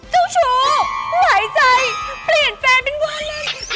ชิคกี้พายาหลายใจเปลี่ยนแฟนปัญหาด้วย